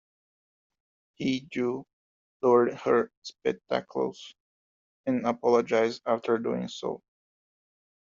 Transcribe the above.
Hee-ju lowered her spectacles and apologized after doing so.